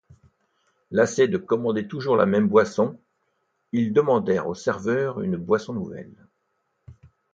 Lassés de commander toujours la même boisson, ils demandèrent au serveur une boisson nouvelle...